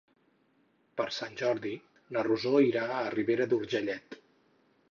Per Sant Jordi na Rosó irà a Ribera d'Urgellet.